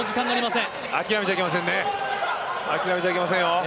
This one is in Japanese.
諦めちゃいけませんよ